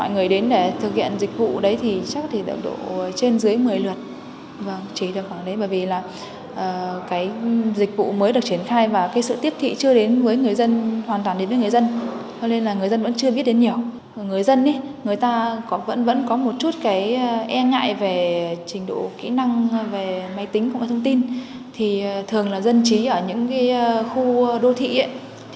nguyên nhân là bởi đa số người dân đến thực hiện các dịch vụ công trực tuyến vẫn còn rất ít